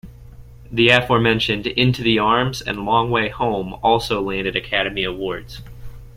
The aforementioned "Into The Arms" and "Long Way Home" also landed Academy Awards.